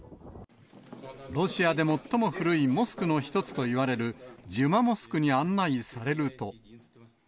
ロシアで最も古いモスクの一つといわれるジュマモスクに案内されると。